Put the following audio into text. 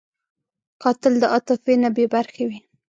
قاتل د عاطفې نه بېبرخې وي